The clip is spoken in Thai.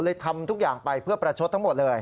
ทำทุกอย่างไปเพื่อประชดทั้งหมดเลย